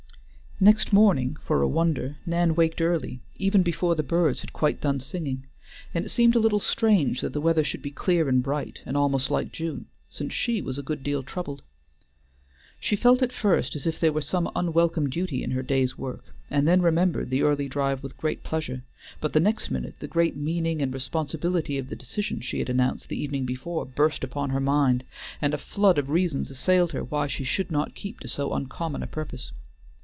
Next morning, for a wonder, Nan waked early, even before the birds had quite done singing, and it seemed a little strange that the weather should be clear and bright, and almost like June, since she was a good deal troubled. She felt at first as if there were some unwelcome duty in her day's work, and then remembered the early drive with great pleasure, but the next minute the great meaning and responsibility of the decision she had announced the evening before burst upon her mind, and a flood of reasons assailed her why she should not keep to so uncommon a purpose.